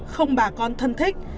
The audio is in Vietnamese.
không bà con thân thích